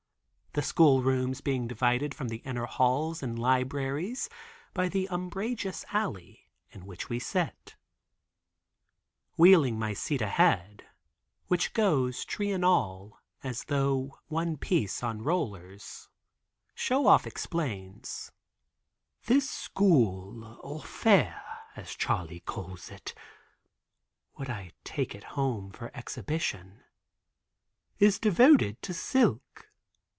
The school rooms being divided from the inner halls and libraries by the umbrageous alley, in which we sit. Wheeling my seat ahead (which goes, tree and all, as though one piece on rollers) Show Off explains: "This school or fair, as Charley calls it, (would I could take it home for exhibition) is devoted to silk."